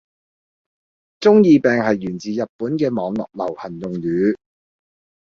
中二病係源自日本嘅網絡流行用語